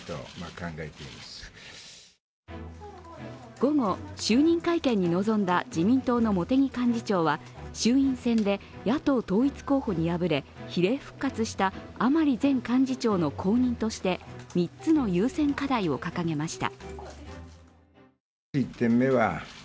午後、就任会見に臨んだ自民党の茂木幹事長は、衆院選で野党統一候補に敗れ比例復活した甘利前幹事長の後任として３つの優先課題を掲げました。